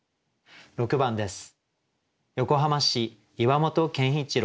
６番です。